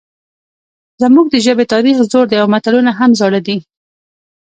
زموږ د ژبې تاریخ زوړ دی او متلونه هم زاړه دي